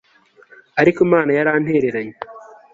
ariko imana yarantereranye